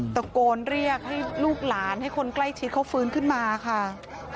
ตะโกนเรียกให้ลูกหลานให้คนใกล้ชิดเขาฟื้นขึ้นมาค่ะ